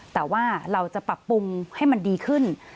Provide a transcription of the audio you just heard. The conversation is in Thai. แต่ว่าเราจะปรับปรุงให้มันดีขึ้น